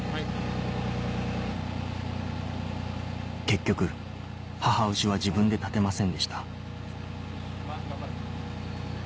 結局母牛は自分で立てませんでした